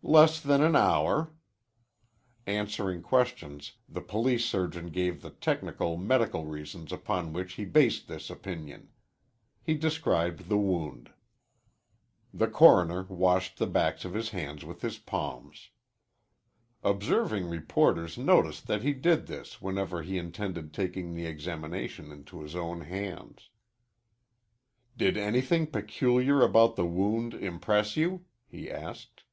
"Less than an hour." Answering questions, the police surgeon gave the technical medical reasons upon which he based this opinion. He described the wound. The coroner washed the backs of his hands with his palms. Observing reporters noticed that he did this whenever he intended taking the examination into his own hands. "Did anything peculiar about the wound impress you?" he asked.